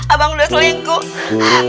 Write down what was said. abang udah selingkuh